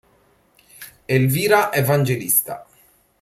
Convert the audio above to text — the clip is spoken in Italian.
Elvira Evangelista